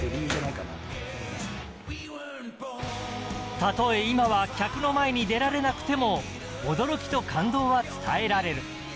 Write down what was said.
たとえ今は客の前に出られなくても驚きと感動は伝えられる。